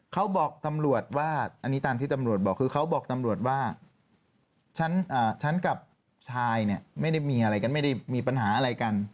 เขาบอกตำรวจว่าอันนี้ตามที่ตำรวจบอกคือเขาบอกตำรวจว่าฉันกับชายเนี่ยไม่ได้มีอะไรกันไม่ได้มีปัญหาอะไรกัน